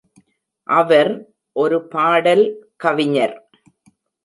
அவர் ஒரு பாடல் கவிஞர்.